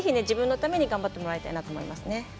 自分のために頑張ってもらいたいなと思いますね。